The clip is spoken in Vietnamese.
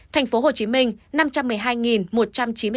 thành phố hồ chí minh năm trăm một mươi hai một trăm chín mươi năm ca